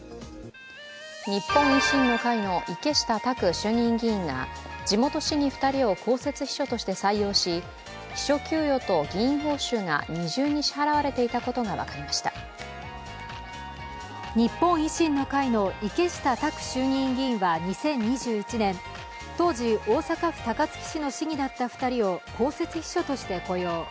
日本維新の会の池下卓衆議院議員が地元市議２人を公設秘書として採用し、秘書給与と議員報酬が日本維新の会の池下卓衆議院議員は２０２１年、当時、大阪府高槻市の市議だった２人を公設秘書として雇用。